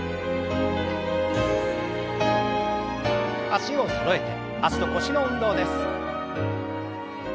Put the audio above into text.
脚をそろえて脚と腰の運動です。